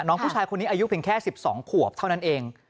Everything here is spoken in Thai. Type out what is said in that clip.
น้องผู้ชายคนนี้อายุเพียงแค่๑๒ขวบเท่านั้นเอง